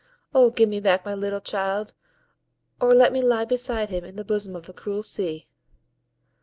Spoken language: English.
O give me back my little child, or let me lie beside him in the bosom of the cruel sea."